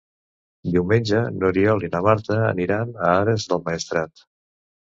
Diumenge n'Oriol i na Marta aniran a Ares del Maestrat.